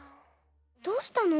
どうしたの？